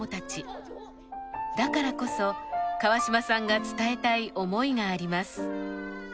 だからこそ川島さんが伝えたい思いがあります。